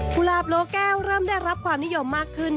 หลาบโลแก้วเริ่มได้รับความนิยมมากขึ้น